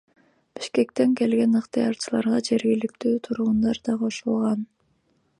Бишкектен келген ыктыярчыларга жергиликтүү тургундар да кошулган.